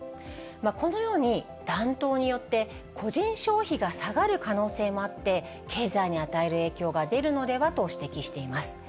このように暖冬によって個人消費が下がる可能性もあって、経済に与える影響が出るのではと指摘しています。